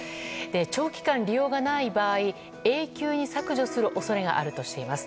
長期間利用がない場合永久に削除する恐れがあるとしています。